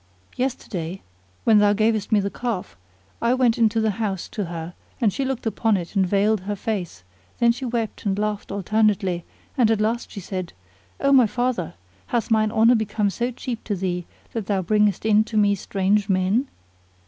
Yesterday when thou gavest me the calf, I went into the house to her, and she looked upon it and veiled her face; then she wept and laughed alternately and at last she said:—O my father, hath mine honour become so cheap to thee that thou bringest in to me strange men?